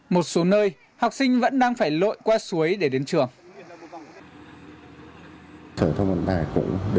một số nơi học sinh vẫn đang phải lội qua suối để đến trường